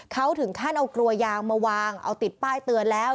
เขาถึงขั้นเอากลัวยางมาวางเอาติดป้ายเตือนแล้ว